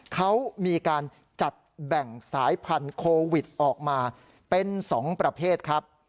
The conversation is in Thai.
เขามีการจัดแบ่งสายพันธุ์โควิดออกมาเป็น๒ประเภทครับ